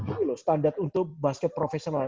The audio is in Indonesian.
ini loh standar untuk basket profesional